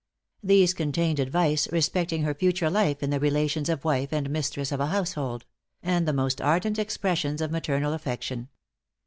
These contained advice respecting her future life in the relations of wife and mistress of a household; and the most ardent expressions of maternal affection.